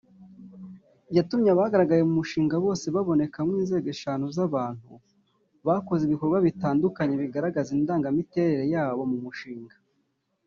yatumye abagaragaye mu mushinga bose babonekamo inzego eshanu z’abantu bakoze ibikorwa bitandukanye bigaragaza indangamiterere yabo mu mushinga